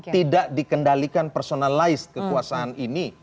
tidak dikendalikan personalize kekuasaan ini